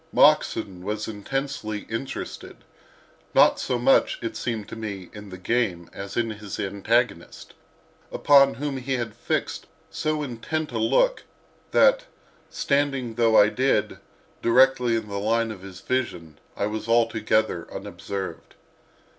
Moxon was intensely interested—not so much, it seemed to me, in the game as in his antagonist, upon whom he had fixed so intent a look that, standing though I did directly in the line of his vision, I was altogether unobserved.